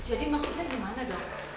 jadi maksudnya gimana dong